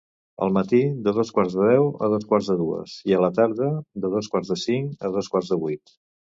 Al matí, de dos quarts de deu a dos quarts de dues i, a la tarda, de dos quarts de cinc a dos quarts de vuit.